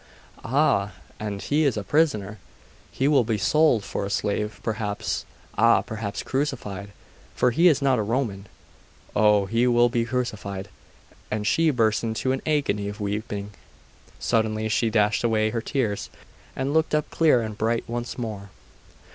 'Ah! and he is prisoner! he will be sold for a slave perhaps ah! perhaps crucified, for he is not a Roman! Oh, he will be crucified!' and she burst into an agony of weeping....Suddenly she dashed away her tears and looked up clear and bright once more.